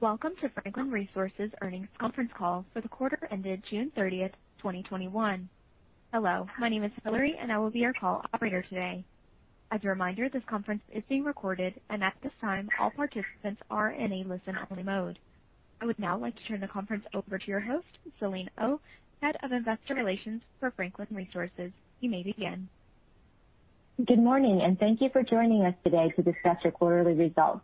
Welcome to Franklin Resources Earnings Conference Call for the quarter ended June 30th, 2021. Hello, my name is Hillary and I will be your call operator today. As a reminder, this conference is being recorded and at this time all participants are in a listen-only mode. I would now like to turn the conference over to your host, Selene Oh, Head of Investor Relations for Franklin Resources. You may begin. Good morning and thank you for joining us today to discuss our quarterly results.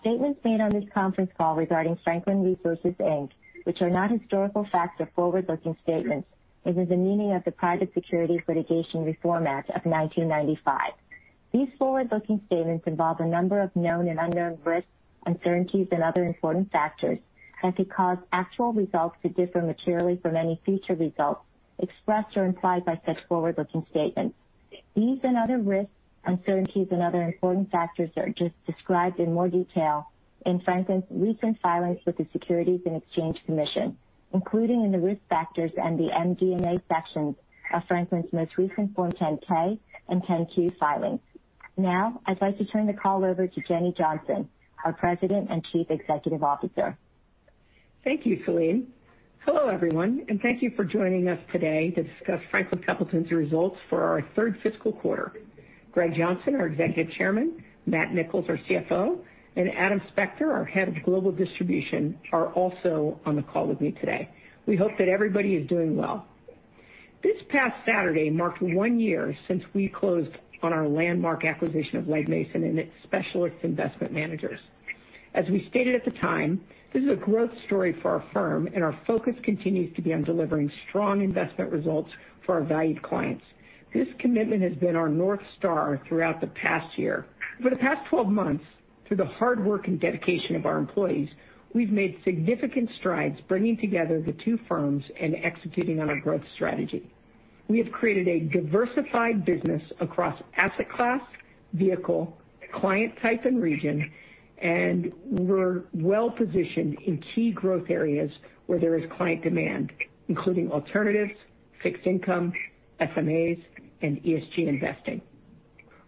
Statements made on this conference call regarding Franklin Resources Inc., which are not historical facts, are forward-looking statements within the meaning of the Private Securities Litigation Reform Act of 1995. These forward-looking statements involve a number of known and unknown risks, uncertainties and other important factors that could cause actual results to differ materially from any future results expressed or implied by such forward-looking statements. These and other risks, uncertainties and other important factors are described in more detail in Franklin's recent filings with the Securities and Exchange Commission, including in the Risk Factors and the MD&A sections of Franklin's most recent Form 10-K and 10-Q filings. Now, I'd like to turn the call over to Jenny Johnson, our President and Chief Executive Officer. Thank you, Selene. Hello everyone and thank you for joining us today to discuss Franklin Templeton's results for our third fiscal quarter. Greg Johnson, our Executive Chairman, Matt Nicholls, our CFO, and Adam Spector, our Head of Global Distribution, are also on the call with me today. We hope that everybody is doing well. This past Saturday marked one year since we closed on our landmark acquisition of Legg Mason and its Specialist Investment Managers. As we stated at the time, this is a growth story for our firm and our focus continues to be on delivering strong investment results for our valued clients. This commitment has been our North Star throughout the past year. For the past 12 months, through the hard work and dedication of our employees, we've made significant strides bringing together the two firms and executing on our growth strategy. We have created a diversified business across asset class, vehicle, client type and region. We're well positioned in key growth areas where there is client demand, including alternatives, fixed income, SMAs, and ESG investing.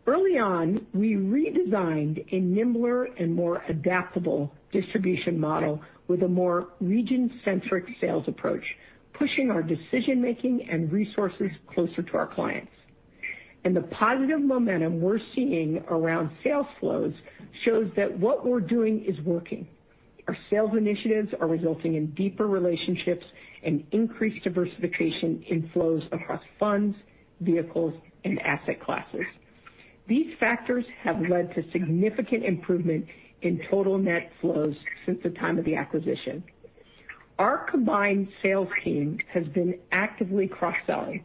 Early on, we redesigned a nimbler and more adaptable distribution model with a more region centric sales approach, pushing our decision-making and resources closer to our clients. The positive momentum we're seeing around sales flows shows that what we're doing is working. Our sales initiatives are resulting in deeper relationships and increased diversification in flows across funds, vehicles and asset classes. These factors have led to significant improvement in total net flows since the time of the acquisition. Our combined sales team has been actively cross-selling.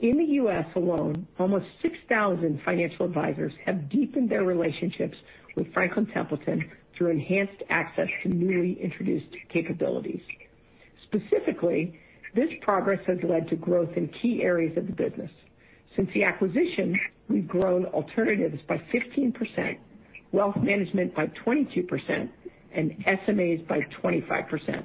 In the U.S. alone, almost 6,000 financial advisors have deepened their relationships with Franklin Templeton through enhanced access to newly introduced capabilities. Specifically, this progress has led to growth in key areas of the business. Since the acquisition, we've grown alternatives by 15%, wealth management by 22%, and SMAs by 25%.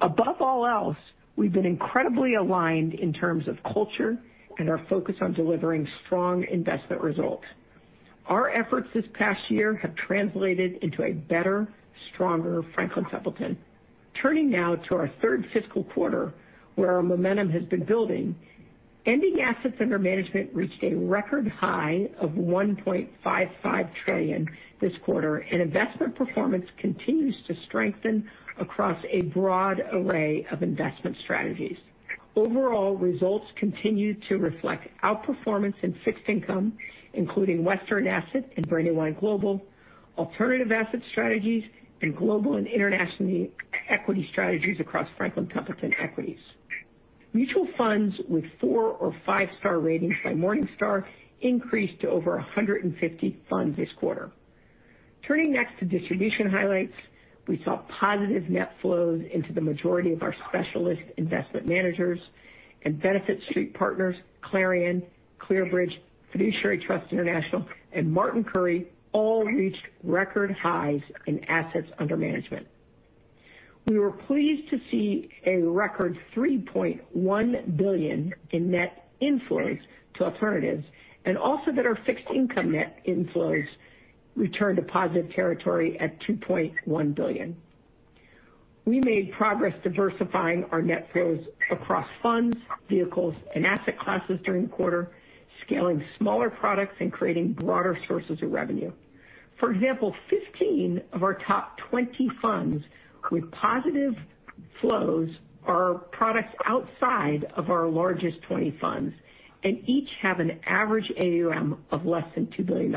Above all else, we've been incredibly aligned in terms of culture and our focus on delivering strong investment results. Our efforts this past year have translated into a better, stronger Franklin Templeton. Turning now to our third fiscal quarter where our momentum has been building, ending assets under management reached a record high of $1.55 trillion this quarter and investment performance continues to strengthen across a broad array of investment strategies. Overall results continue to reflect outperformance in fixed income, including Western Asset and Brandywine Global, alternative asset strategies and global and internationally equity strategies across Franklin Templeton Equities. Mutual funds with 4 or 5-star ratings by Morningstar increased to over 150 funds this quarter. Turning next to distribution highlights, we saw positive net flows into the majority of our Specialist Investment Managers and Benefit Street Partners, Clarion, ClearBridge, Fiduciary Trust International and Martin Currie all reached record highs in assets under management. We were pleased to see a record $3.1 billion in net inflows to alternatives and also that our fixed income net inflows returned to positive territory at $2.1 billion. We made progress diversifying our net flows across funds, vehicles and asset classes during the quarter, scaling smaller products and creating broader sources of revenue. For example, 15 of our top 20 funds with positive flows are products outside of our largest 20 funds and each have an average AUM of less than $2 billion.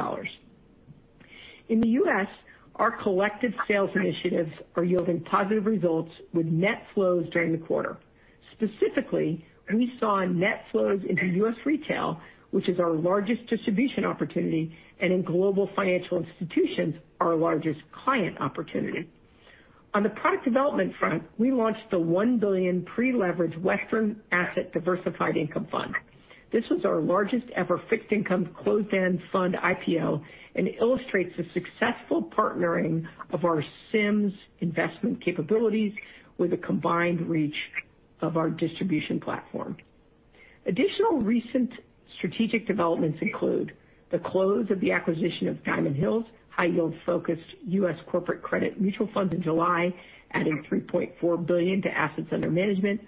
In the U.S., our collective sales initiatives are yielding positive results with net flows during the quarter. Specifically, we saw net flows into U.S. retail, which is our largest distribution opportunity and in global financial institutions, our largest client opportunity. On the product development front, we launched the $1 billion pre-leveraged Western Asset Diversified Income Fund. This was our largest ever fixed income closed-end fund IPO and illustrates the successful partnering of our SIMs investment capabilities with the combined reach of our distribution platform. Additional recent strategic developments include the close of the acquisition of Diamond Hill high yield focused U.S. corporate credit mutual funds in July, adding $3.4 billion to AUM,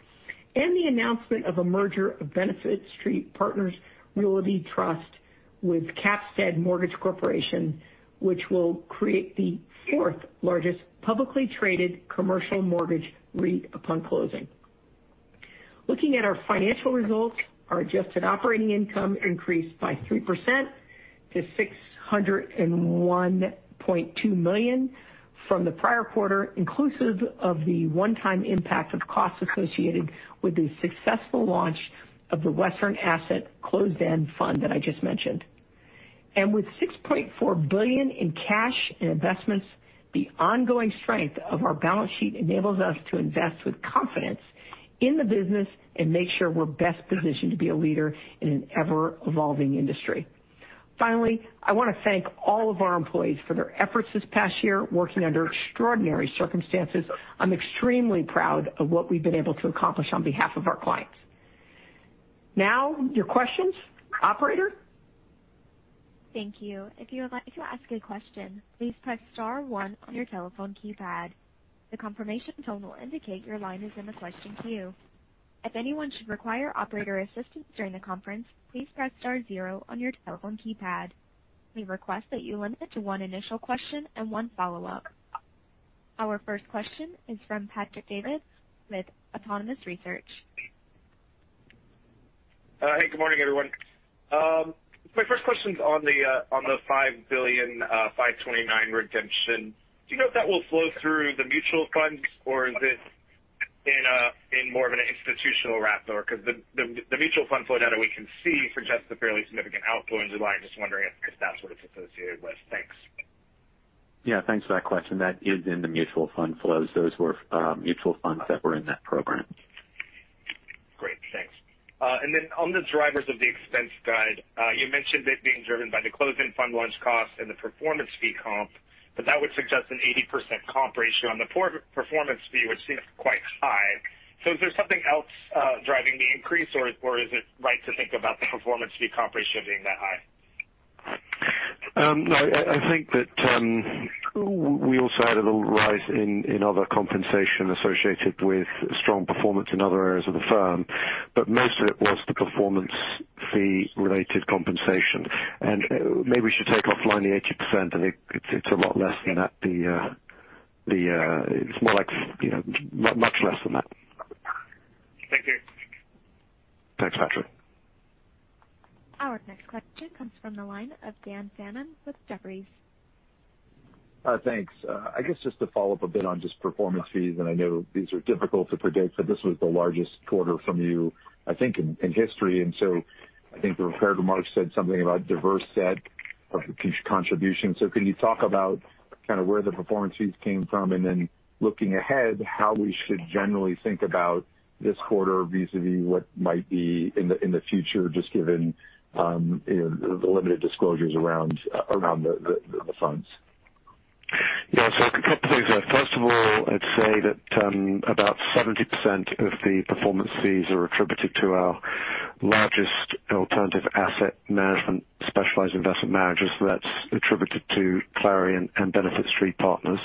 and the announcement of a merger of Benefit Street Partners Realty Trust with Capstead Mortgage Corporation, which will create the 4th largest publicly traded commercial mortgage REIT upon closing. Looking at our financial results, our adjusted operating income increased by 3% to $601.2 million from the prior quarter, inclusive of the one-time impact of costs associated with the successful launch of the Western Asset closed-end fund that I just mentioned. With $6.4 billion in cash and investments, the ongoing strength of our balance sheet enables us to invest with confidence in the business and make sure we're best positioned to be a leader in an ever-evolving industry. Finally, I want to thank all of our employees for their efforts this past year, working under extraordinary circumstances. I'm extremely proud of what we've been able to accomplish on behalf of our clients. Now, your questions. Operator? Thank you. If you would like to ask a question, please press star one on your telephone keypad. The confirmation tone will indicate your line is in the question queue. If anyone should require operator assistance during the conference, please press star zero on your telephone keypad. We request that you limit it to one initial question and one follow-up. Our first question is from Patrick Davitt with Autonomous Research. Hey, good morning, everyone. My first question's on the $5 billion 529 redemption. Do you know if that will flow through the mutual funds or is it in more of an institutional wrap door? The mutual fund flow data we can see suggests a fairly significant outflow into the line. Just wondering if that's what it's associated with. Thanks. Yeah, thanks for that question. That is in the mutual fund flows. Those were mutual funds that were in that program. Great, thanks. Then on the drivers of the expense guide, you mentioned it being driven by the closed-end fund launch cost and the performance fee comp, but that would suggest an 80% comp ratio on the performance fee, which seems quite high. Is there something else driving the increase, or is it right to think about the performance fee comp ratio being that high? No, I think that we also had a little rise in other compensation associated with strong performance in other areas of the firm. Most of it was the performance fee related compensation. Maybe we should take offline the 80%, and it's a lot less than that. It's much less than that. Thank you. Thanks, Patrick. Our next question comes from the line of Daniel Fannon with Jefferies. Thanks. I guess just to follow up a bit on just performance fees, and I know these are difficult to predict, but this was the largest quarter from you, I think, in history. I think the prepared remarks said something about diverse set of contributions. Can you talk about kind of where the performance fees came from and then looking ahead, how we should generally think about this quarter vis-a-vis what might be in the future, just given the limited disclosures around the funds? A couple things there. First of all, I'd say that about 70% of the performance fees are attributed to our largest alternative asset management Specialist Investment Managers. That's attributed to Clarion and Benefit Street Partners.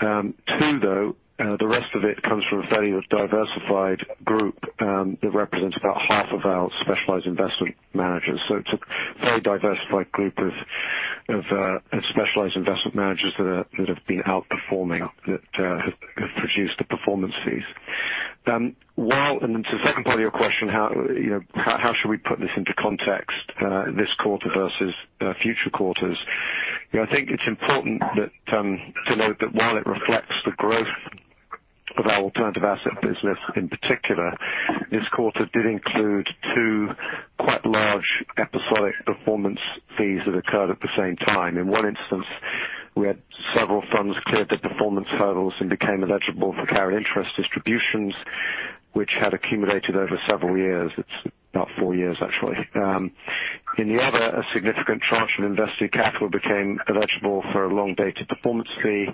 Two, though, the rest of it comes from a fairly diversified group that represents about half of our Specialist Investment Managers. It's a very diversified group of Specialist Investment Managers that have been outperforming, that have produced the performance fees. To the second part of your question, how should we put this into context this quarter versus future quarters? I think it's important to note that while it reflects the growth of our alternative asset business in particular, this quarter did include two quite large episodic performance fees that occurred at the same time. In one instance, we had several funds cleared their performance hurdles and became eligible for carried interest distributions, which had accumulated over several years. It's about four years, actually. In the other, a significant tranche of invested capital became eligible for a long-dated performance fee.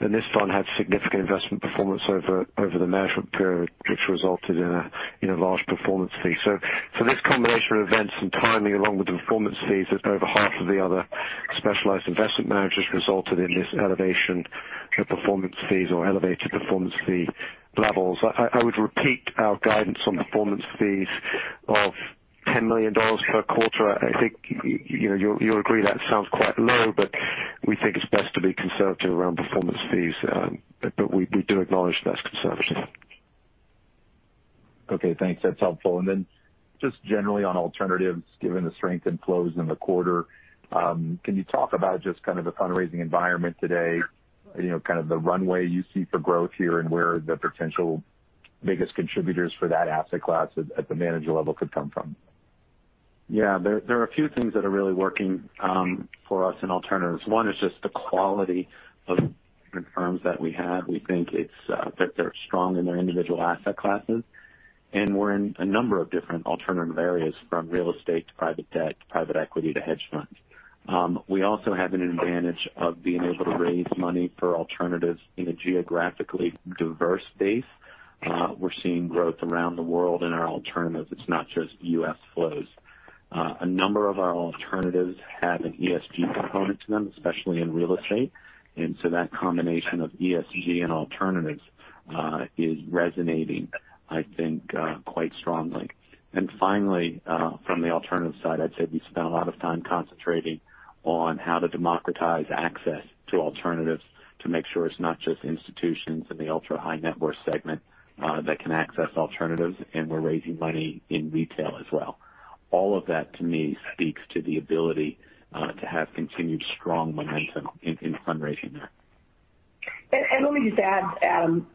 This fund had significant investment performance over the management period, which resulted in a large performance fee. This combination of events and timing, along with the performance fees at over half of the other Specialist Investment Managers, resulted in this elevation of performance fees or elevated performance fee levels. I would repeat our guidance on performance fees of $10 million per quarter. I think you'll agree that sounds quite low. We think it's best to be conservative around performance fees. We do acknowledge that's conservative. Okay, thanks. That's helpful. Then, just generally on alternatives, given the strength in flows in the quarter, can you talk about just kind of the fundraising environment today, you know, the kind of the runway you see for growth here, and where the potential biggest contributors for that asset class at the manager level could come from? Yeah, there are a few things that are really working for us in alternatives. One is just the quality of different firms that we have. We think that they're strong in their individual asset classes, and we're in a number of different alternative areas, from real estate to private debt to private equity to hedge funds. We also have an advantage of being able to raise money for alternatives in a geographically diverse base. We're seeing growth around the world in our alternatives. It's not just U.S. flows. A number of our alternatives have an ESG component to them, especially in real estate. That combination of ESG and alternatives is resonating, I think, quite strongly. Finally, from the alternative side, I'd say we've spent a lot of time concentrating on how to democratize access to alternatives to make sure it's not just institutions in the ultra-high net worth segment that can access alternatives, and we're raising money in retail as well. All of that, to me, speaks to the ability to have continued strong momentum in fundraising there. Let me just add, Adam.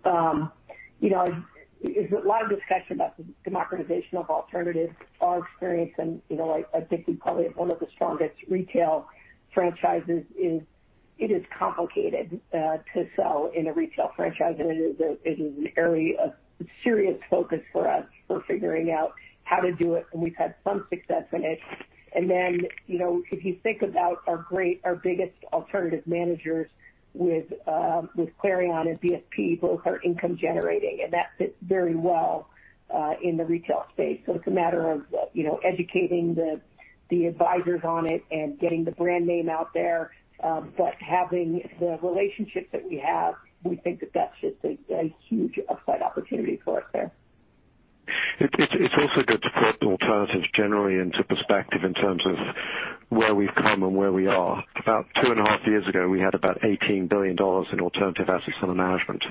There's a lot of discussion about the democratization of alternatives, our experience, and I think we probably have one of the strongest retail franchises. It is complicated to sell in a retail franchise, and it is an area of serious focus for us for figuring out how to do it, and we've had some success in it. Then, you know, if you think about our biggest alternative managers with Clarion and BSP, both are income generating, and that fits very well in the retail space. It's a matter of educating the advisors on it and getting the brand name out there. Having the relationships that we have, we think that that's just a huge upside opportunity for us there. It's also good to put alternatives generally into perspective in terms of where we've come and where we are. About 2 and a half years ago, we had about $18 billion in alternative assets under management,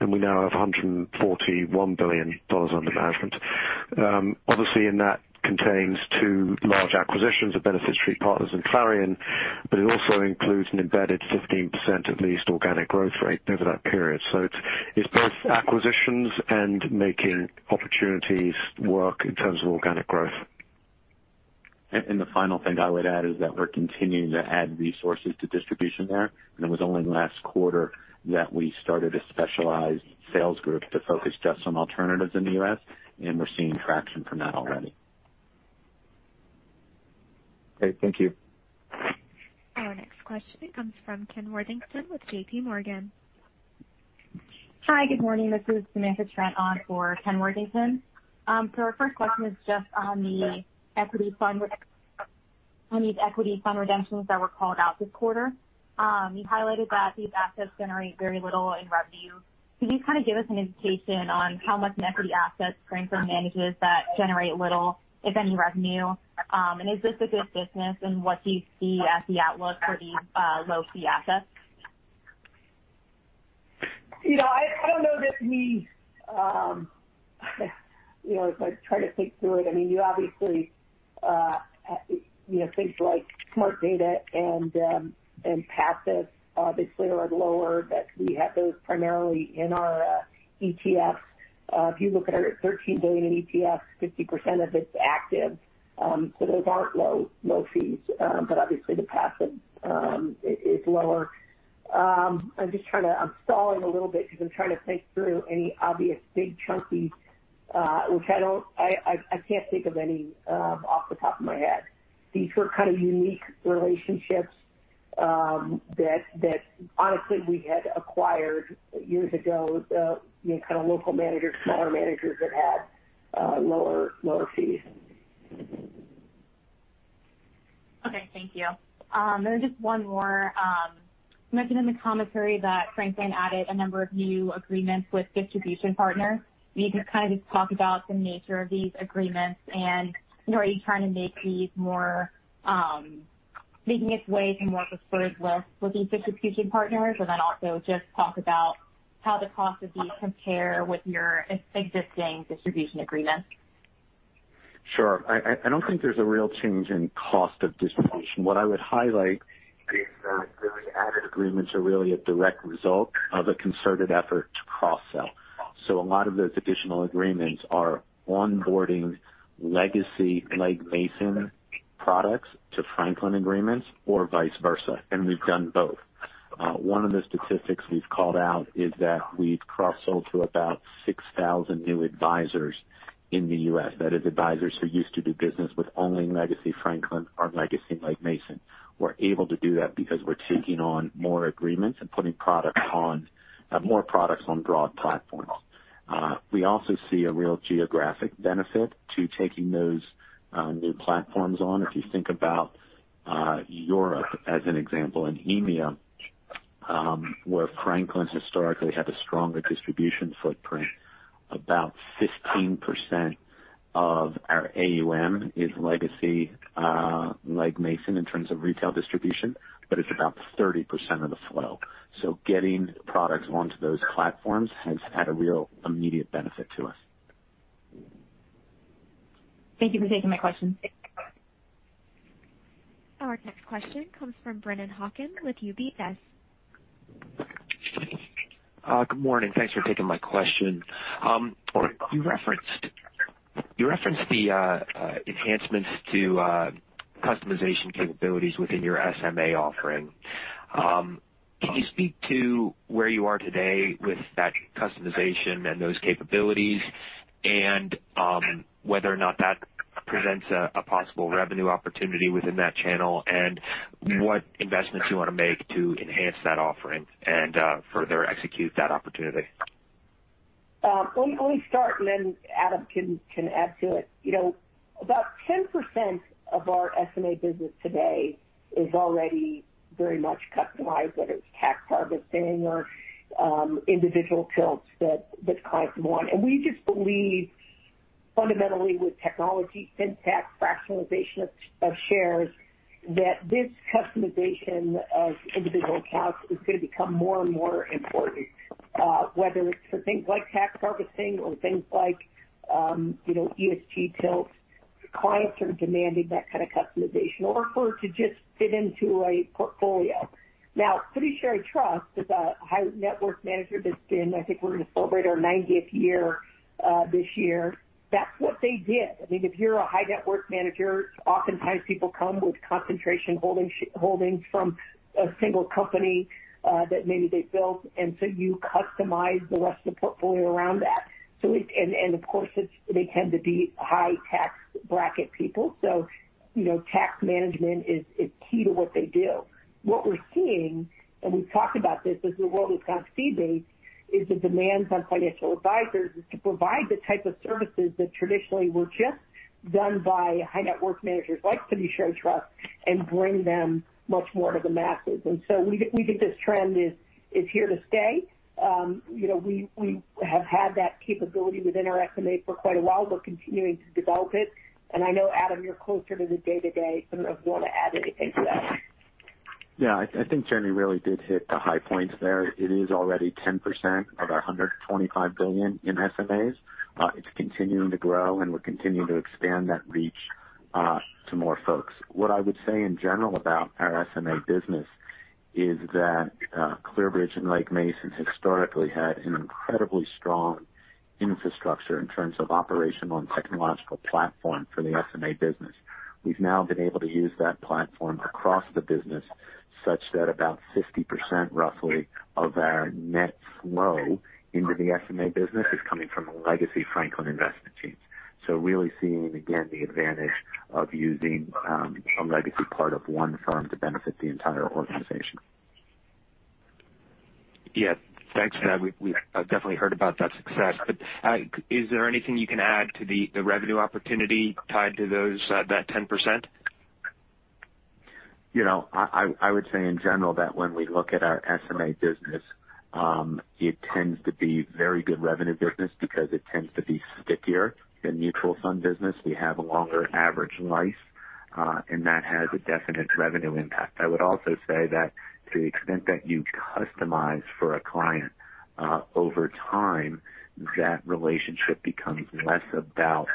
and we now have $141 billion under management. Obviously, in that contains two large acquisitions of Benefit Street Partners and Clarion, but it also includes an embedded 15%, at least, organic growth rate over that period. It's both acquisitions and making opportunities work in terms of organic growth. The final thing I would add is that we're continuing to add resources to distribution there. It was only last quarter that we started a specialized sales group to focus just on alternatives in the U.S., and we're seeing traction from that already. Great. Thank you. Our next question comes from Kenneth Worthington with JPMorgan. Hi, good morning. This is Samantha Trent on for Kenneth Worthington. Our first question is just on the equity fund redemptions that were called out this quarter. You highlighted that these assets generate very little in revenue. Could you kind of give us an indication on how much in equity assets Franklin manages that generate little, if any, revenue? Is this a good business, and what do you see as the outlook for these low-fee assets? I don't know that we If I try to think through it, you obviously have things like smart beta and passive obviously are lower, but we have those primarily in our ETFs. If you look at our $13 billion in ETFs, 50% of it's active. Those aren't low fees. Obviously the passive is lower. I'm stalling a little bit because I'm trying to think through any obvious big chunky, which I can't think of any off the top of my head. These were kind of unique relationships that honestly we had acquired years ago, kind of local managers, smaller managers that had lower fees. Okay. Thank you. Just one more. You mentioned in the commentary that Franklin added a number of new agreements with distribution partners. Can you just talk about the nature of these agreements, and are you trying to make its way to more preferred lists with these distribution partners? Also just talk about how the cost of these compare with your existing distribution agreements. Sure. I don't think there's a real change in cost of distribution. What I would highlight is that really added agreements are really a direct result of a concerted effort to cross-sell. A lot of those additional agreements are onboarding legacy Legg Mason products to Franklin agreements or vice versa, and we've done both. One of the statistics we've called out is that we've cross-sold to about 6,000 new advisors in the U.S. That is, advisors who used to do business with only legacy Franklin or legacy Legg Mason. We're able to do that because we're taking on more agreements and putting more products on broad platforms. We also see a real geographic benefit to taking those new platforms on. If you think about Europe as an example, in EMEA, where Franklin historically had a stronger distribution footprint, about 15% of our AUM is legacy Legg Mason in terms of retail distribution, but it's about 30% of the flow. Getting products onto those platforms has had a real immediate benefit to us. Thank you for taking my question. Our next question comes from Brennan Hawken with UBS. Good morning. Thanks for taking my question. You referenced the enhancements to customization capabilities within your SMA offering. Can you speak to where you are today with that customization and those capabilities, and whether or not that presents a possible revenue opportunity within that channel, and what investments you want to make to enhance that offering and further execute that opportunity? Let me start, and then Adam can add to it. About 10% of our SMA business today is already very much customized, whether it's tax harvesting or individual tilts that clients want. We just believe fundamentally with technology, fintech, fractionalization of shares, that this customization of individual accounts is going to become more and more important. Whether it's for things like tax harvesting or things like ESG tilts, clients are demanding that kind of customization or for it to just fit into a portfolio. Now, Fiduciary Trust is a high net worth manager that's been, I think we're going to celebrate our 90th year this year. That's what they did. If you're a high net worth manager, oftentimes people come with concentration holdings from a single company that maybe they built. You customize the rest of the portfolio around that. Of course, they tend to be high tax bracket people, so tax management is key to what they do. What we're seeing, and we've talked about this as the world has gone fee-based, is the demands on financial advisors is to provide the type of services that traditionally were just done by high net worth managers like Fiduciary Trust and bring them much more to the masses. So we think this trend is here to stay. We have had that capability within our SMA for quite a while. We're continuing to develop it. I know, Adam, you're closer to the day-to-day and would want to add anything to that. Yeah, I think Jenny really did hit the high points there. It is already 10% of our $125 billion in SMAs. It's continuing to grow, we're continuing to expand that reach to more folks. What I would say in general about our SMA business is that ClearBridge and Legg Mason historically had an incredibly strong infrastructure in terms of operational and technological platform for the SMA business. We've now been able to use that platform across the business such that about 50%, roughly, of our net flow into the SMA business is coming from a legacy Franklin investment team. Really seeing, again, the advantage of using a legacy part of one firm to benefit the entire organization. Yeah. Thanks for that. We've definitely heard about that success. Is there anything you can add to the revenue opportunity tied to that 10%? I would say in general, that when we look at our SMA business, it tends to be very good revenue business because it tends to be stickier than mutual fund business. We have a longer average life, and that has a definite revenue impact. I would also say that to the extent that you customize for a client, over time, that relationship becomes less about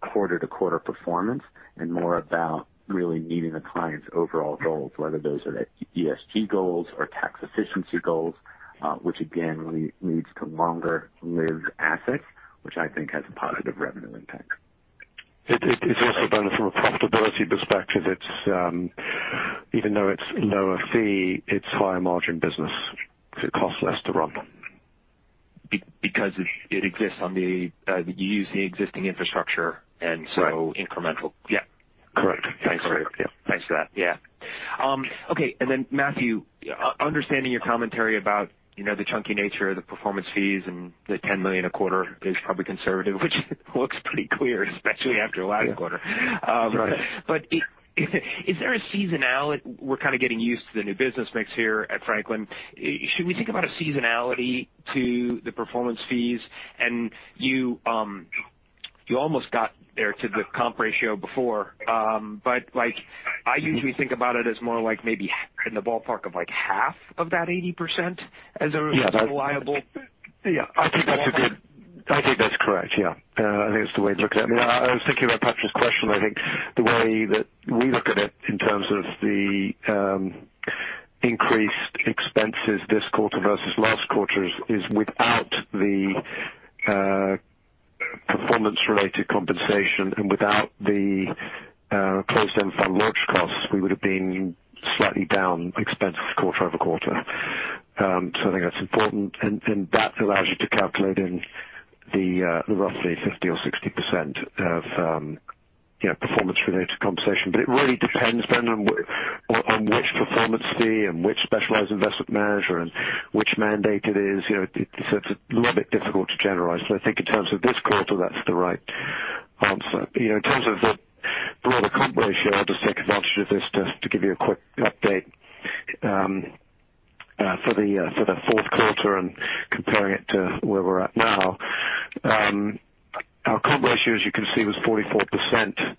quarter-to-quarter performance and more about really meeting the client's overall goals, whether those are the ESG goals or tax efficiency goals, which again, really leads to longer lived assets, which I think has a positive revenue impact. It's also been from a profitability perspective, even though it's lower fee, it's higher margin business because it costs less to run. Because it exists on the, you use the existing infrastructure, and so incremental. Right. Yeah. Correct. Thanks for that. Yeah. Okay, then Matthew, understanding your commentary about the chunky nature of the performance fees and the $10 million a quarter is probably conservative, which looks pretty clear, especially after last quarter. Yeah. Right. Is there a seasonality? We're kind of getting used to the new business mix here at Franklin. Should we think about a seasonality to the performance fees? You almost got there to the comp ratio before, but I usually think about it as more maybe in the ballpark of half of that 80% as a reliable. Yeah. I think that's correct. Yeah. I think that's the way to look at it. I was thinking about Patrick's question. I think the way that we look at it in terms of the increased expenses this quarter versus last quarter is without the performance-related compensation and without the closed-end fund launch costs, we would've been slightly down expense quarter-over-quarter. I think that's important, and that allows you to calculate in the roughly 50% or 60% of performance-related compensation. It really depends then on which performance fee and which Specialist Investment Manager and which mandate it is. It's a little bit difficult to generalize. I think in terms of this quarter, that's the right answer. In terms of the broader comp ratio, I'll just take advantage of this just to give you a quick update. For the fourth quarter and comparing it to where we're at now, our comp ratio, as you can see, was 44%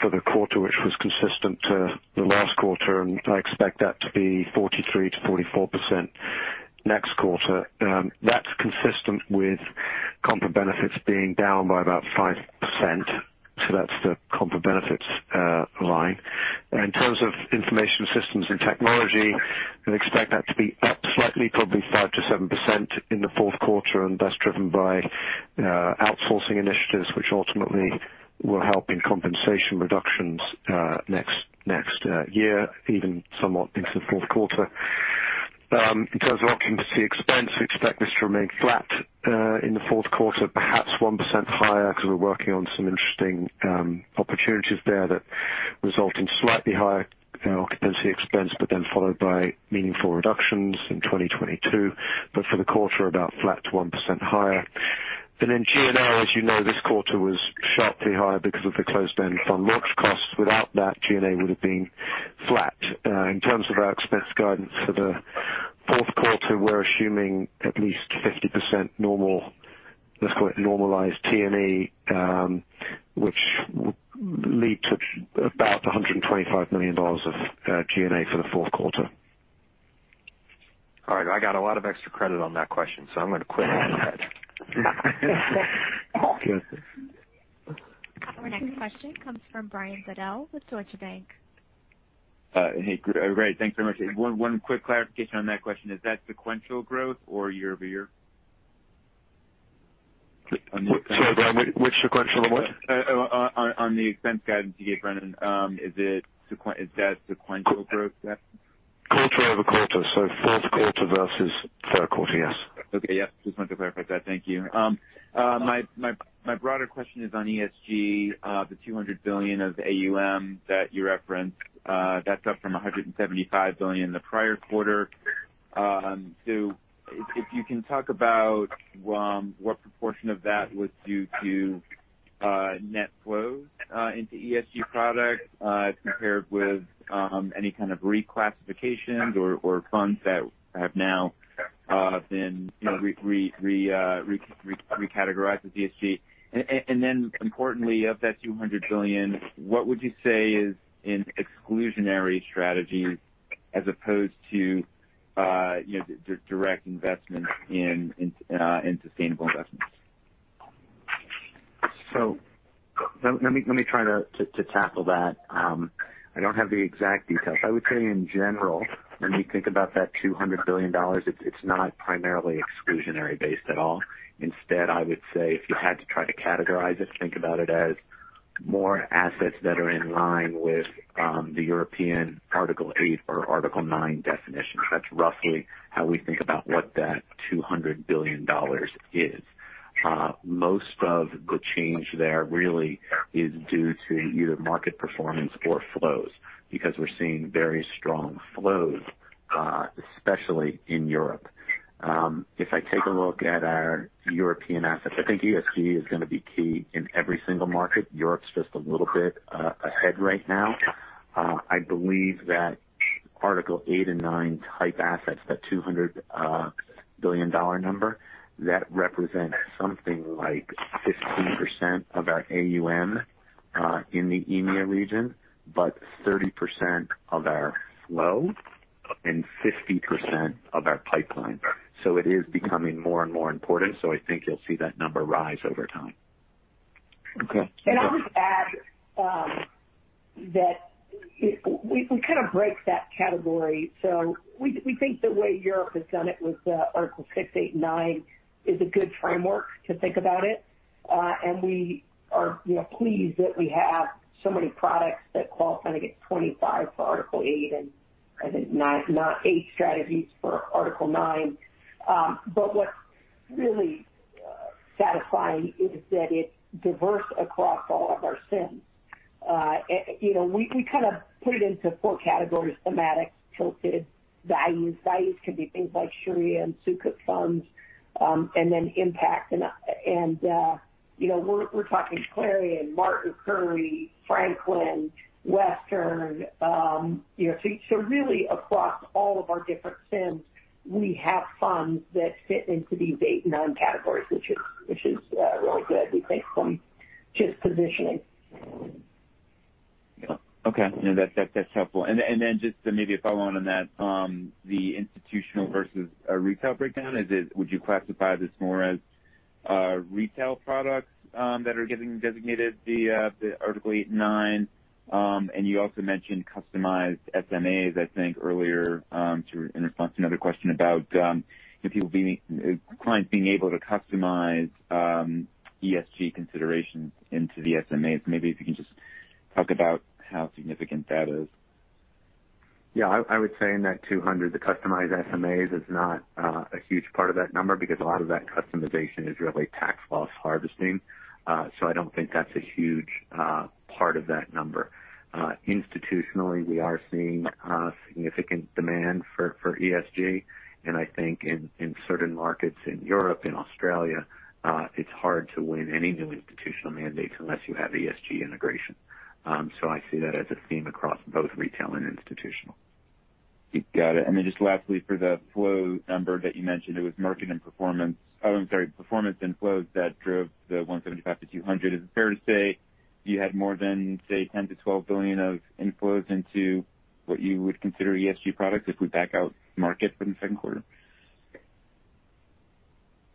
for the quarter, which was consistent to the last quarter, and I expect that to be 43%-44% next quarter. That's consistent with comp of benefits being down by about 5%. That's the comp of benefits line. In terms of information systems and technology, I expect that to be up slightly, probably 5%-7% in the fourth quarter, and that's driven by outsourcing initiatives, which ultimately will help in compensation reductions next year, even somewhat into the fourth quarter. In terms of occupancy expense, we expect this to remain flat in the fourth quarter, perhaps 1% higher because we're working on some interesting opportunities there that result in slightly higher occupancy expense, but then followed by meaningful reductions in 2022. For the quarter, about flat to 1% higher. G&A, as you know, this quarter was sharply higher because of the closed-end fund launch costs. Without that, G&A would have been flat. In terms of our expense guidance for the fourth quarter, we're assuming at least 50% normal, let's call it normalized T&E, which will lead to about $125 million of G&A for the fourth quarter. All right. I got a lot of extra credit on that question, so I'm going to quit while I'm ahead. Our next question comes from Brian Bedell with Deutsche Bank. Hey, great. Thanks very much. One quick clarification on that question. Is that sequential growth or year-over-year? Sorry, Brian, which sequential what? On the expense guidance you gave, Brennan Hawken. Is that sequential growth then? Quarter-over-quarter. Fourth quarter versus third quarter, yes. Okay. Yep. Just wanted to clarify that. Thank you. My broader question is on ESG, the $200 billion of AUM that you referenced, that's up from $175 billion the prior quarter. If you can talk about what proportion of that was due to net flows into ESG products compared with any kind of reclassifications or funds that have now been re-categorized as ESG. Importantly, of that $200 billion, what would you say is in exclusionary strategies as opposed to direct investments in sustainable investments? Let me try to tackle that. I don't have the exact details. I would say in general, when we think about that $200 billion, it's not primarily exclusionary based at all. Instead, I would say if you had to try to categorize it, think about it as more assets that are in line with the European Article 8 or Article 9 definitions. That's roughly how we think about what that $200 billion is. Most of the change there really is due to either market performance or flows because we're seeing very strong flows, especially in Europe. If I take a look at our European assets, I think ESG is going to be key in every single market. Europe's just a little bit ahead right now. I believe that Article 8 and 9 type assets, that $200 billion number, that represents something like 15% of our AUM in the EMEA region, but 30% of our flow and 50% of our pipeline. It is becoming more and more important. I think you'll see that number rise over time. Okay. I would add that we can kind of break that category. We think the way Europe has done it with Article 6, 8, and 9 is a good framework to think about it. We are pleased that we have so many products that qualify to get 25 for Article 8 and I think 9, not 8 strategies for Article 9. What's really satisfying is that it's diverse across all of our SIMs. We can kind of put it into four categories, thematic, tilted, values. Values can be things like Sharia and Sukuk funds, and then impact. We're talking Clarion, Martin Currie, Franklin, Western. Really across all of our different SIMs, we have funds that fit into these 8 and 9 categories, which is really good. We think from just positioning. Okay. No, that's helpful. Then just maybe a follow-on on that. The institutional versus retail breakdown. Would you classify this more as retail products that are getting designated the Article 8 and 9? You also mentioned customized SMAs, I think, earlier in response to another question about clients being able to customize ESG considerations into the SMAs. Maybe if you can just talk about how significant that is. Yeah, I would say in that 200, the customized SMAs is not a huge part of that number because a lot of that customization is really tax loss harvesting. I don't think that's a huge part of that number. Institutionally, we are seeing significant demand for ESG. I think in certain markets in Europe, in Australia, it's hard to win any new institutional mandates unless you have ESG integration. I see that as a theme across both retail and institutional. Got it. Just lastly, for the flow number that you mentioned, it was market and performance. Oh, I'm sorry. Performance inflows that drove the $175 to $200. Is it fair to say you had more than, say, $10 billion-$12 billion of inflows into what you would consider ESG products if we back out market for the second quarter?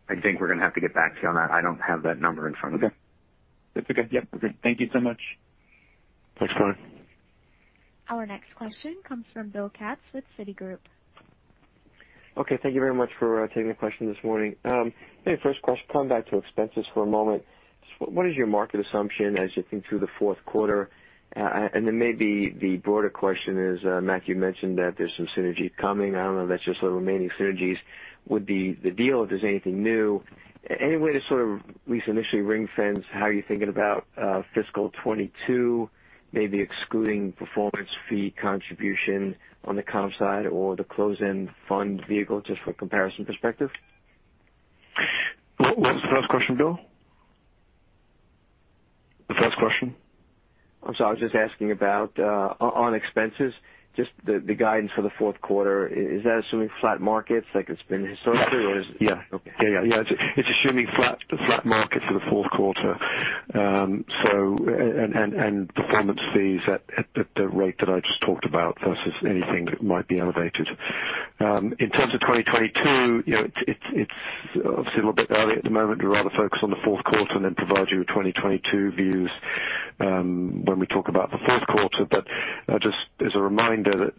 I think we're going to have to get back to you on that. I don't have that number in front of me. Okay. That's okay. Yep. Okay. Thank you so much. Thanks, Brian. Our next question comes from William Katz with Citigroup. Okay. Thank you very much for taking the question this morning. Hey, first question, come back to expenses for a moment. What is your market assumption as you think through the fourth quarter? Maybe the broader question is, Matt, you mentioned that there's some synergy coming. I don't know if that's just the remaining synergies would be the deal, if there's anything new. Any way to sort of at least initially ring-fence how you're thinking about fiscal 2022, maybe excluding performance fee contribution on the comp side or the close-end fund vehicle, just for comparison perspective? What was the first question, Bill? The first question. I'm sorry. I was just asking about, on expenses, just the guidance for the fourth quarter. Is that assuming flat markets like it's been historically, or is? Yeah. Okay. It's assuming flat market for the fourth quarter. Performance fees at the rate that I just talked about versus anything that might be elevated. In terms of 2022, it's obviously a little bit early at the moment. We'd rather focus on the fourth quarter and then provide you with 2022 views when we talk about the fourth quarter. Just as a reminder that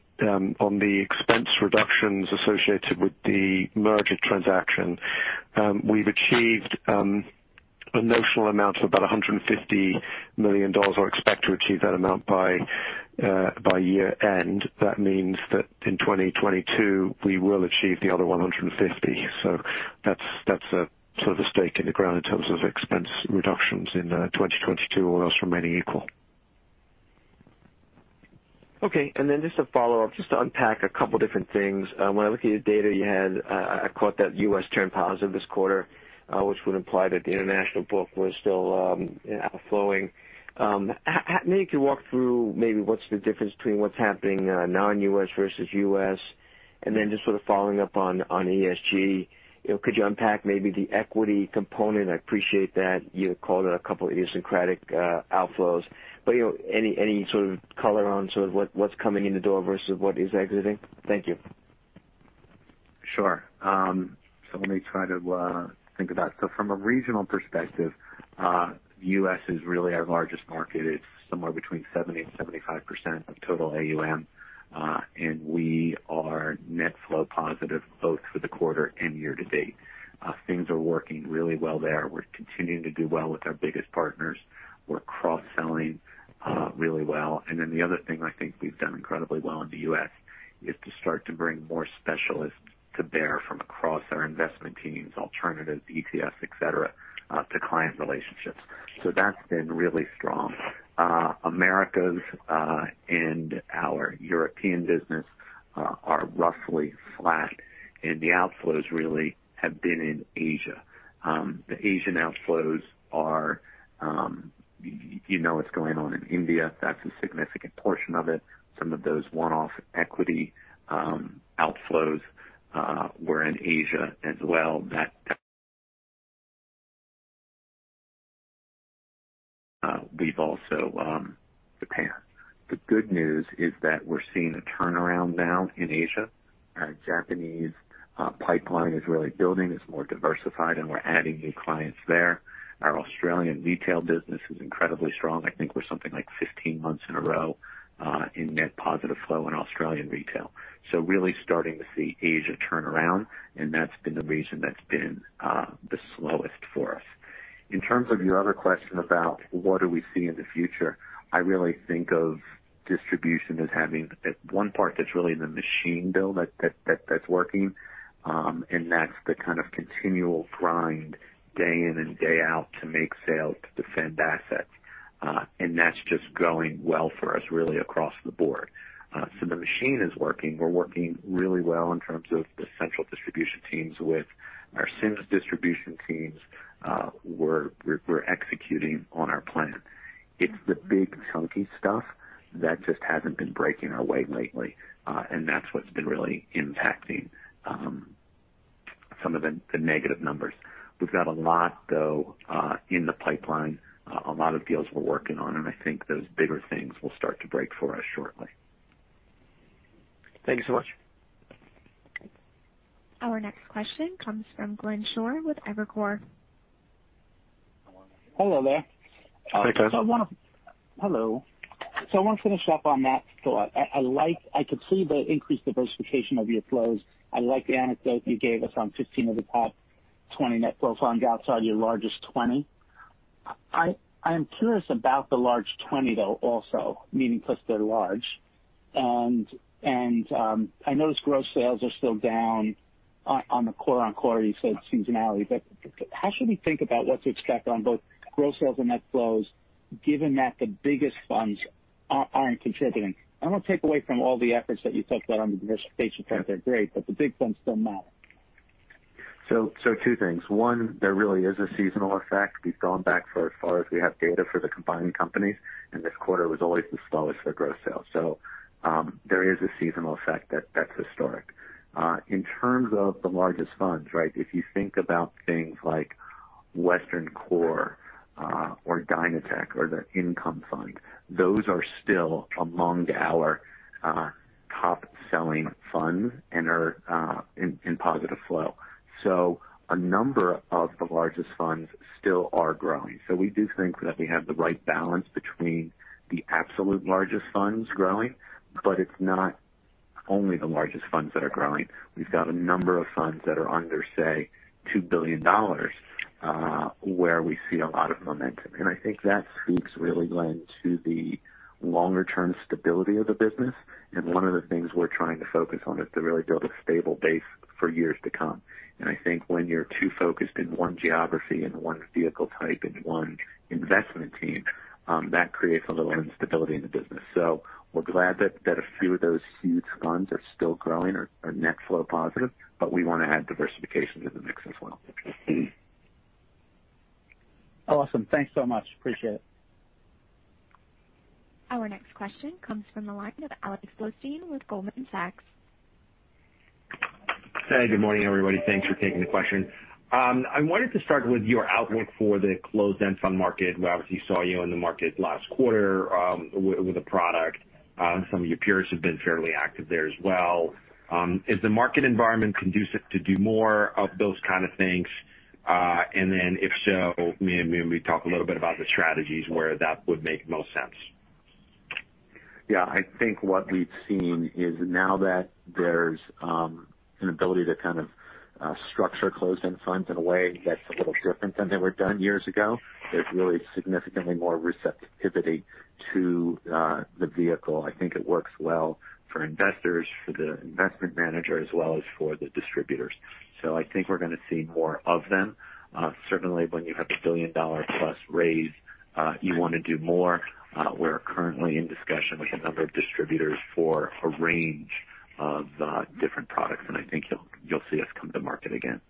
on the expense reductions associated with the merger transaction, we've achieved a notional amount of about $150 million or expect to achieve that amount by year-end. That means that in 2022, we will achieve the other $150 million. That's sort of a stake in the ground in terms of expense reductions in 2022, all else remaining equal. Okay. Then, just to follow up, just to unpack a couple different things. When I look at your data you had, I caught that U.S. turned positive this quarter, which would imply that the international book was still outflowing. Maybe you could walk through maybe what's the difference between what's happening non-U.S. versus U.S., and then just sort of following up on ESG, could you unpack maybe the equity component? I appreciate that you called out a couple of idiosyncratic outflows, any sort of color on what's coming in the door versus what is exiting? Thank you. Sure. Let me try to think about it. From a regional perspective, U.S. is really our largest market. It's somewhere between 70% and 75% of total AUM. We are net flow positive both for the quarter and year-to-date. Things are working really well there. We're continuing to do well with our biggest partners. We're cross-selling really well. The other thing I think we've done incredibly well in the U.S. is to start to bring more specialists to bear from across our investment teams, alternatives, ETFs, et cetera, to client relationships. That's been really strong. Americas and our European business are roughly flat, and the outflows really have been in Asia. The Asian outflows are, you know, what's going on in India. That's a significant portion of it. Some of those one-off equity outflows were in Asia as well. That hurts Asia. We've also [inaudible] Japan. The good news is that we're seeing a turnaround now in Asia. Our Japanese pipeline is really building, it's more diversified, and we're adding new clients there. Our Australian retail business is incredibly strong. I think we're something like 15 months in a row in net positive flow in Australian retail. Really starting to see Asia turn around, and that's been the region that's been the slowest for us. In terms of your other question about what do we see in the future, I really think of distribution as having one part that's really the machine build that's working and that's the kind of continual grind, day in and day out to make sales, to defend assets. That's just going well for us, really across the board. The machine is working. We're working really well in terms of the central distribution teams with our SIMs distribution teams. We're executing on our plan. It's the big chunky stuff that just hasn't been breaking our way lately and that's what's been really impacting some of the negative numbers. We've got a lot, though, in the pipeline, a lot of deals we're working on, and I think those bigger things will start to break for us shortly. Thank you so much. Our next question comes from Glenn Schorr with Evercore. Hello there. Hey, Glenn. Hello. I want to finish up on Matt's thought. I could see the increased diversification of your flows. I like the anecdote you gave us on 15 of the top 20 net flow funds outside your largest 20. I am curious about the large 20 though also, meaning because they're large. I notice gross sales are still down on the quarter-on-quarter. You said seasonality. How should we think about what to expect on both gross sales and net flows given that the biggest funds aren't contributing? I don't take away from all the efforts that you talked about on the diversification part. They're great, but the big funds still matter. Two things. One, there really is a seasonal effect. We've gone back for as far as we have data for the combined companies, and this quarter was always the slowest for gross sales. There is a seasonal effect that's historic. In terms of the largest funds, right, if you think about things like Western Core or DynaTech or the Income Fund, those are still among our top-selling funds and are in positive flow. A number of the largest funds still are growing. We do think that we have the right balance between the absolute largest funds growing, but it's not only the largest funds that are growing. We've got a number of funds that are under, say, $2 billion, where we see a lot of momentum. I think that speaks really, Glenn, to the longer-term stability of the business. One of the things we're trying to focus on is to really build a stable base for years to come. I think when you're too focused in one geography and one vehicle type and one investment team, that creates a little instability in the business. We're glad that a few of those huge funds are still growing, are net flow positive, but we want to add diversification to the mix as well. Awesome. Thanks so much. Appreciate it. Our next question comes from the line of Alexander Blostein with Goldman Sachs. Hey, good morning, everybody. Thanks for taking the question. I wanted to start with your outlook for the closed-end fund market. We obviously saw you in the market last quarter with a product. Some of your peers have been fairly active there as well. Is the market environment conducive to do more of those kind of things? If so, maybe you can talk a little bit about the strategies where that would make most sense. Yeah. I think what we've seen is now that there's an ability to kind of structure closed-end funds in a way that's a little different than they were done years ago, there's really significantly more receptivity to the vehicle. I think it works well for investors, for the investment manager, as well as for the distributors. I think we're going to see more of them. Certainly, when you have a billion-dollar plus raise you want to do more. We're currently in discussion with a number of distributors for a range of different products, and I think you'll see us come to market again.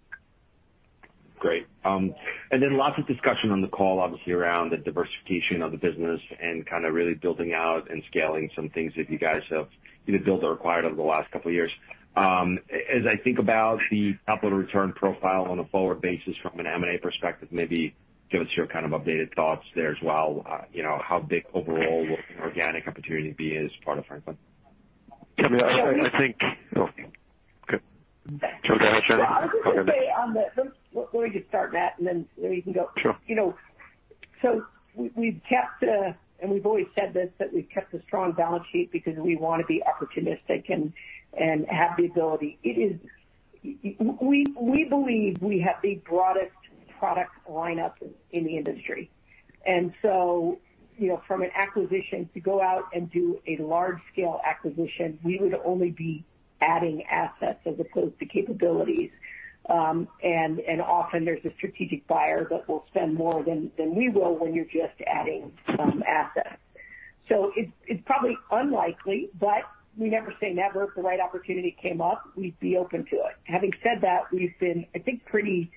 Great. Lots of discussion on the call, obviously, around the diversification of the business and kind of really building out and scaling some things that you guys have either built or acquired over the last couple of years. As I think about the capital return profile on a forward basis from an M&A perspective, maybe give us your kind of updated thoughts there as well. How big overall an organic opportunity be as part of Franklin? I think -- go ahead, Jenny. I was just going to say on that -- let me just start, Matt, and then maybe you can go. Sure. We've kept, and we've always said this, that we've kept a strong balance sheet because we want to be opportunistic and have the ability. We believe we have the broadest product lineup in the industry. From an acquisition to go out and do a large-scale acquisition, we would only be adding assets as opposed to capabilities. Often there's a strategic buyer that will spend more than we will when you're just adding some assets. It's probably unlikely, but we never say never. If the right opportunity came up, we'd be open to it. Having said that, we've been, I think, pretty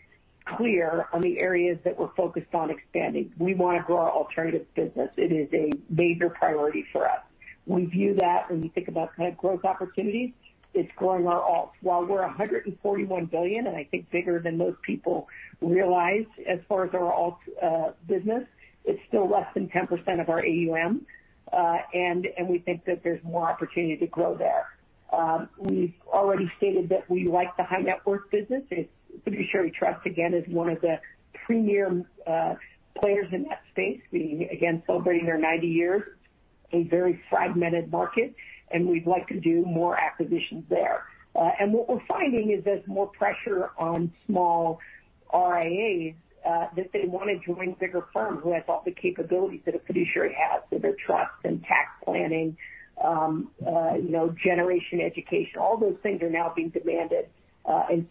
clear on the areas that we're focused on expanding. We want to grow our alternatives business. It is a major priority for us. We view that when we think about kind of growth opportunities, it's growing our alts. While we're $141 billion, and I think bigger than most people realize as far as our alts business, it's still less than 10% of our AUM. We think that there's more opportunity to grow there. We've already stated that we like the high net worth business. Fiduciary Trust, again, is one of the premier players in that space. Again, celebrating their 90 years, a very fragmented market, and we'd like to do more acquisitions there. What we're finding is there's more pressure on small RIAs that they want to join bigger firms who have all the capabilities that a Fiduciary has, so their trust and tax planning, generation education. All those things are now being demanded.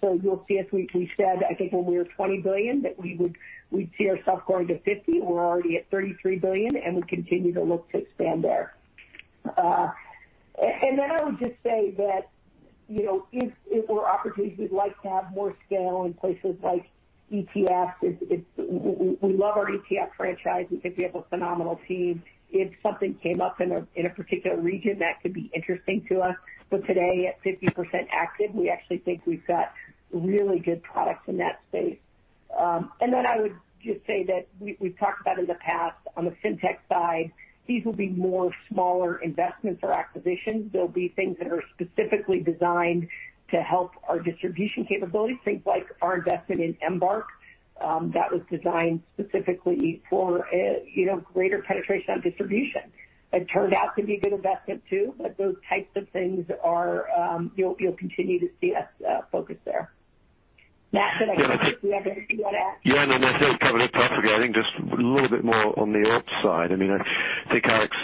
You'll see, as we said, I think when we were $20 billion, that we'd see ourself growing to $50 billion. We're already at $33 billion. We continue to look to expand there. Then, I would just say that, you know, if there were opportunities, we'd like to have more scale in places like ETFs. We love our ETF franchise. We think we have a phenomenal team. If something came up in a particular region, that could be interesting to us. Today, at 50% active, we actually think we've got really good products in that space. Then, I would just say that we've talked about in the past, on the fintech side, these will be more smaller investments or acquisitions. They'll be things that are specifically designed to help our distribution capabilities. Things like our investment in Embark. That was designed specifically for greater penetration on distribution. It turned out to be a good investment, too. Those types of things you'll continue to see us focus there. Matt, do you have anything to add? Yeah, no, I think you covered it perfectly. I think just a little bit more on the alts side. I think, Alex,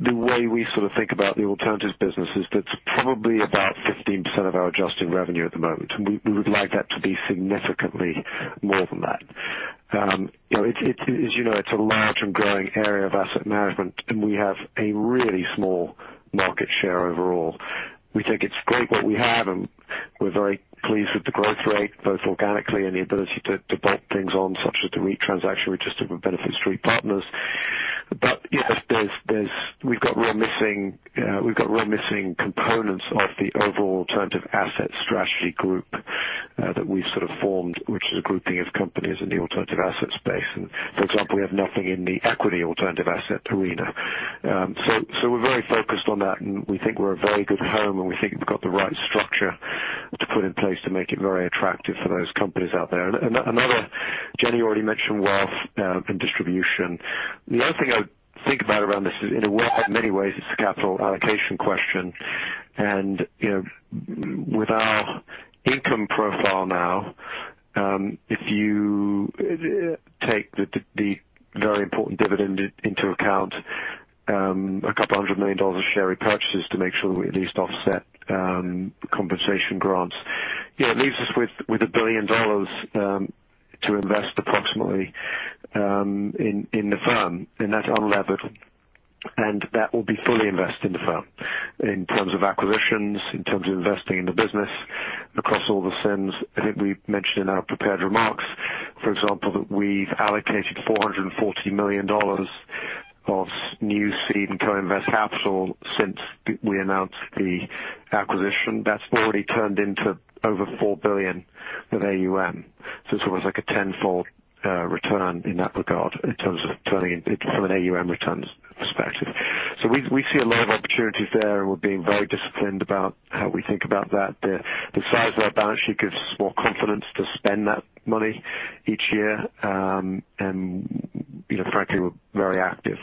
the way we sort of think about the alternatives business is that it's probably about 15% of our adjusted revenue at the moment. We would like that to be significantly more than that. As you know, it's a large and growing area of asset management, and we have a really small market share overall. We think it's great what we have, and we're very pleased with the growth rate, both organically and the ability to bolt things on, such as the REIT transaction we just did with Benefit Street Partners. Yes, we've got real missing components of the overall alternative asset strategy group that we've sort of formed, which is a grouping of companies in the alternative asset space. For example, we have nothing in the equity alternative asset arena. We're very focused on that, and we think we're a very good home, and we think we've got the right structure to put in place to make it very attractive for those companies out there. Another, Jenny already mentioned wealth and distribution. The other thing I would think about around this is, in a way, in many ways, it's a capital allocation question. With our income profile now, if you take the very important dividend into account, a couple hundred million dollars of share repurchases to make sure that we at least offset compensation grants. It leaves us with $1 billion to invest approximately in the firm, and that's unlevered, and that will be fully invested in the firm in terms of acquisitions, in terms of investing in the business across all the SIMs. I think we mentioned in our prepared remarks, for example, that we've allocated $440 million of new seed and co-invest capital since we announced the acquisition. That's already turned into over $4 billion with AUM. It's almost like a tenfold return in that regard in terms of turning it from an AUM returns perspective. We see a lot of opportunities there, and we're being very disciplined about how we think about that. The size of our balance sheet gives us more confidence to spend that money each year. Frankly, we're very active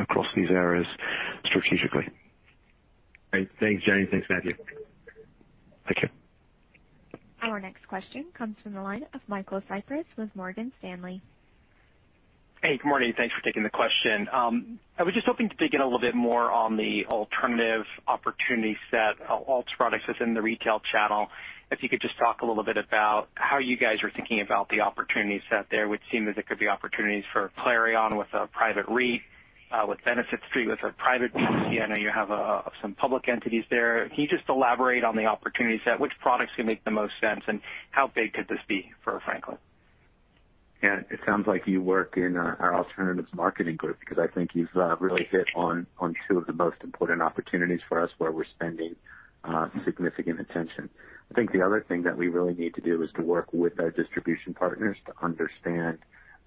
across these areas strategically. Great. Thanks, Jenny. Thanks, Matthew. Thank you. Our next question comes from the line of Michael Cyprys with Morgan Stanley. Hey, good morning. Thanks for taking the question. I was just hoping to dig in a little bit more on the alternative opportunity set alts products within the retail channel. If you could just talk a little bit about how you guys are thinking about the opportunity set there, which seem as it could be opportunities for Clarion with a private REIT, with Benefit Street, with a private REIT. I know you have some public entities there. Can you just elaborate on the opportunity set, which products can make the most sense, and how big could this be for Franklin? Yeah. It sounds like you work in our alternatives marketing group because I think you've really hit on two of the most important opportunities for us where we're spending significant attention. I think the other thing that we really need to do is to work with our distribution partners to understand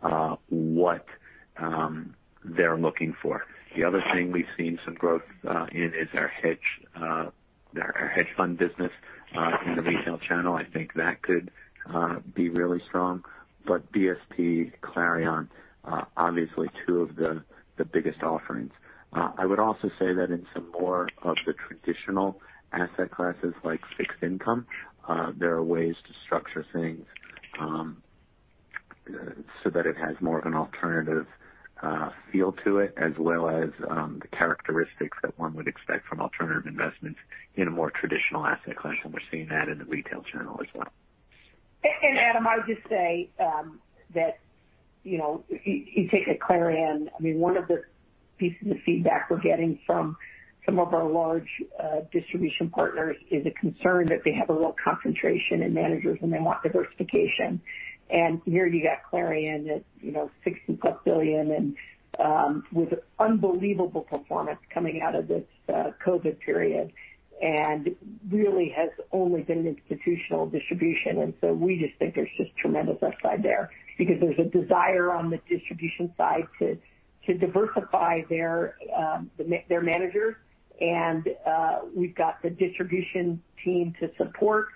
what they're looking for. The other thing we've seen some growth in is our hedge fund business in the retail channel. I think that could be really strong. BSP, Clarion, obviously two of the biggest offerings. I would also say that in some more of the traditional asset classes, like fixed income, there are ways to structure things so that it has more of an alternative feel to it as well as the characteristics that one would expect from alternative investments in a more traditional asset class, and we're seeing that in the retail channel as well. Adam, I would just say that, you know, you take a Clarion. One of the pieces of feedback we're getting from some of our large distribution partners is a concern that they have a low concentration in managers and they want diversification. Here you got Clarion that, you know, $60 billion-plus and with unbelievable performance coming out of this COVID period and really has only been institutional distribution. We just think there's just tremendous upside there because there's a desire on the distribution side to diversify their managers, and we've got the distribution team to support,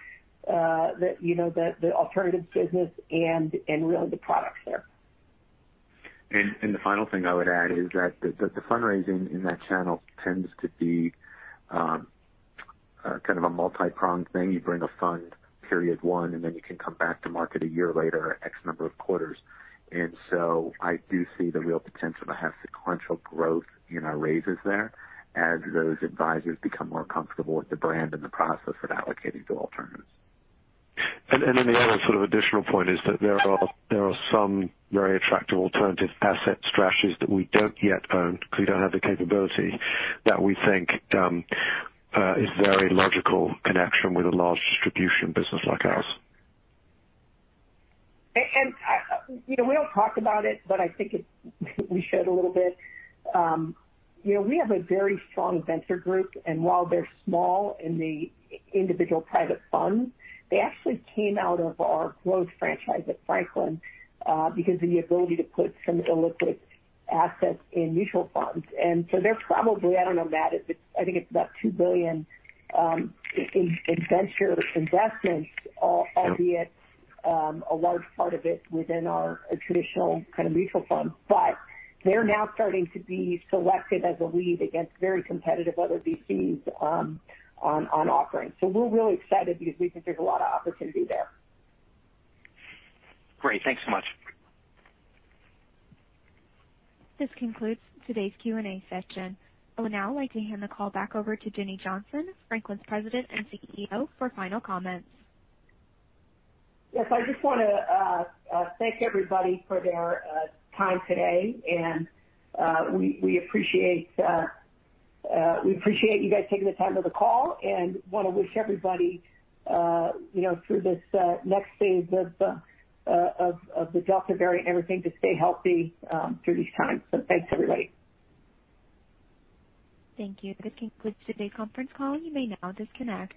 you know, the alternatives business and really the products there. The final thing I would add is that the fundraising in that channel tends to be kind of a multi-pronged thing. You bring a fund period one, then you can come back to market a year later or X number of quarters. I do see the real potential to have sequential growth in our raises there as those advisors become more comfortable with the brand and the process of allocating to alternatives. The other sort of additional point is that there are some very attractive alternative asset strategies that we don't yet own because we don't have the capability that we think is very logical connection with a large distribution business like ours. We don't talk about it, but I think we should a little bit. We have a very strong venture group, and while they're small in the individual private funds, they actually came out of our growth franchise at Franklin because of the ability to put some illiquid assets in mutual funds. They're probably, I don't know, Matt, I think it's about $2 billion in venture investments, albeit a large part of it within our traditional kind of mutual fund. They're now starting to be selected as a lead against very competitive other VCs on offerings. We're really excited because we think there's a lot of opportunity there. Great. Thanks so much. This concludes today's Q&A session. I would now like to hand the call back over to Jenny Johnson, Franklin's President and CEO, for final comments. I just want to thank everybody for their time today, and we appreciate you guys taking the time for the call and want to wish everybody through this next phase of the Delta variant and everything to stay healthy through these times. Thanks, everybody. Thank you. This concludes today's conference call. You may now disconnect.